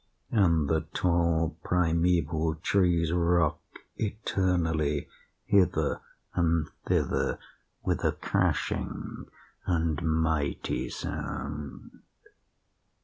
And the tall primeval trees rock eternally hither and thither with a crashing and mighty sound.